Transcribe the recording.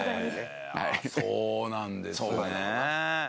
そうなんですね。